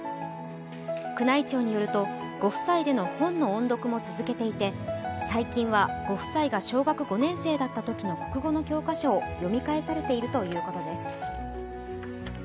宮内庁によると、ご夫妻での本の音読も続けていて最近はご夫妻が小学５年生だったときの国語の教科書を読み返されているということです。